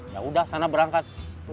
yaudah sana berangkat